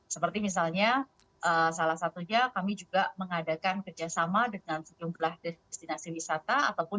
seperti misalnya salah satunya kami juga mengadakan kerjasama dengan sejumlah destinasi wisata